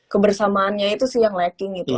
kebersamaannya itu sih yang lacking itu